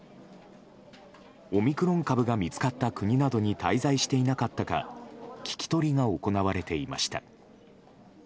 オミクロン株が見つかった国などに滞在していなかったか聞き取りが行われていました。